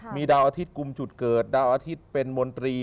มีดาวอาทิตย์กลุ่มจุดเกิดดาวอาทิตย์เป็นมนตรี